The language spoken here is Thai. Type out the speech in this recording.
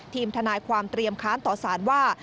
ทีมทนายความเตรียมค้านต่อสารว่า